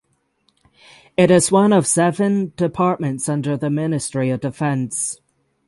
It is one of seven departments under the Ministry of Defence.